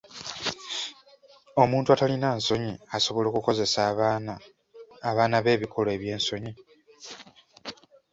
Omuntu atalina nsonyi asobola okukozesa abaana be ebikolwa eby'ensonyi.